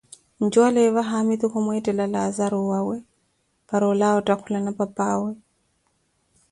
njuwalooveva haamitu kumwettela Laazaru owaawe para olawa otthakhulana papaawe .